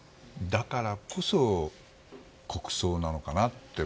だからこそ国葬なのかなって